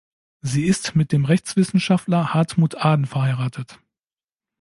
Sie ist mit dem Rechtswissenschaftler Hartmut Aden verheiratet.